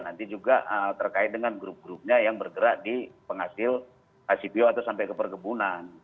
nanti juga terkait dengan grup grupnya yang bergerak di penghasil cpo atau sampai ke perkebunan